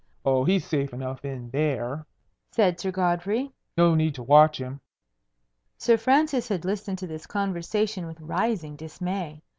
"Oh, he's safe enough in there," said Sir Godfrey. "No need to watch him." Sir Francis had listened to this conversation with rising dismay.